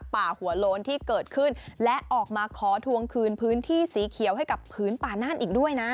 ป่าหัวโล้นที่เกิดขึ้นและออกมาขอทวงคืนพื้นที่สีเขียวให้กับพื้นป่าน่านอีกด้วยนะ